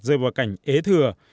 rơi vào cảnh ế thừa